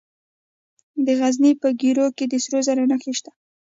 د غزني په ګیرو کې د سرو زرو نښې شته.